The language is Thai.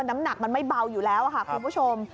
น้ำหนักมันไม่เบาอยู่แล้วค่ะคุณผู้ชม